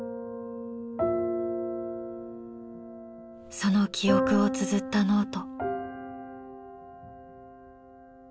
その記憶をつづったノート。